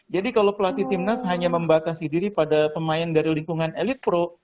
jadi kalau pelatih timnas hanya membatasi diri pada pemain dari lingkungan elite pro